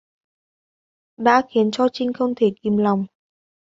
Đã khiến cho trinh không thể kìm lòng